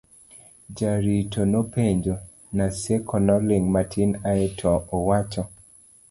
jarito nopenjo .Naseko noling' matin ae to owacho